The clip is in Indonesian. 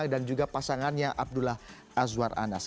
dan juga pasangannya abdullah azwar anas